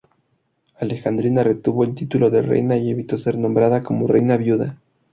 Alejandrina retuvo el título de reina y evitó ser nombrada como reina viuda.